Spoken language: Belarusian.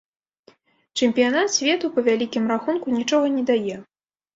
Чэмпіянат свету, па вялікім рахунку, нічога не дае.